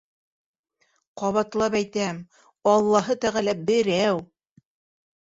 Ҡабатлап әйтәм: Аллаһы Тәғәлә — берәү.